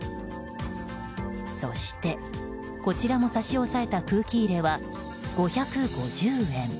そして、こちらも差し押さえた空気入れは５５０円。